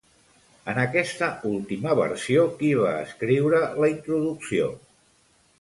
En aquesta última versió, qui va escriure la introducció?